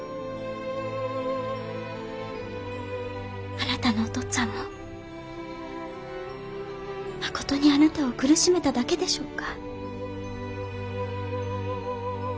あなたのお父っつぁんもまことにあなたを苦しめただけでしょうか？